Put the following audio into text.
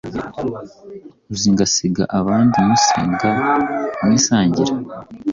Uzi ngasiga abandi musenga nkamwisangira!